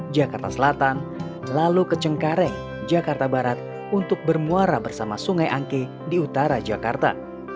jakarta selatan lalu ke cengkareng jakarta barat untuk bermuara bersama sungai angke di utara jakarta